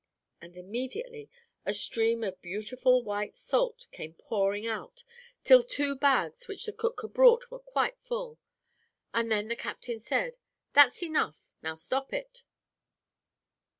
"And immediately a stream of beautiful white salt came pouring out, till two bags which the cook had brought were quite full, and then the captain said, 'That's enough, now stop it.'